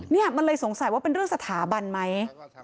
นี่มันเลยสงสัยว่าเป็นเรื่องสถาบันไหม